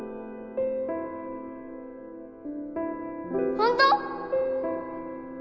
本当！？